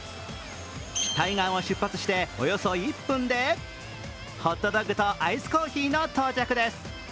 対岸を出発しておよそ１分でホットドックとアイスコーヒーの到着です。